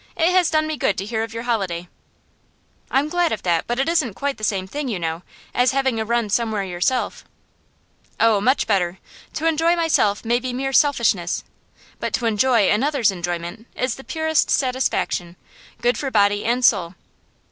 It has done me good to hear of your holiday.' 'I'm glad of that; but it isn't quite the same thing, you know, as having a run somewhere yourself.' 'Oh, much better! To enjoy myself may be mere selfishness, but to enjoy another's enjoyment is the purest satisfaction, good for body and soul.